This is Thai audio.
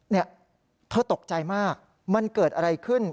เนี่ยเธอตกใจมากมันเกิดอะไรขึ้น